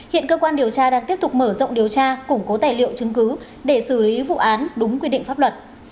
hiện cơ quan điều tra đang tiếp tục mở rộng điều tra củng cố tài liệu chứng cứ để xử lý vụ án đúng quy định pháp luật